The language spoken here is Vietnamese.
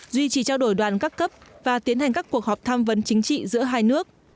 duy trì trao đổi đoàn các cấp và tiến hành các cuộc họp tham vấn chính trị giữa hai nước